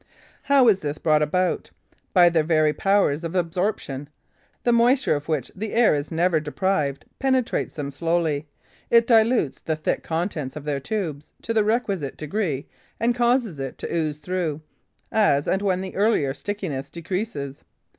How is this brought about? By their very powers of absorption. The moisture of which the air is never deprived penetrates them slowly; it dilutes the thick contents of their tubes to the requisite degree and causes it to ooze through, as and when the earlier stickiness decreases.